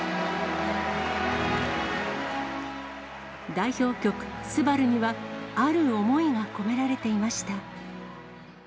代表曲、昴にはある思いが込められていました。